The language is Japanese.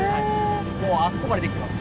もうあそこまでできてます。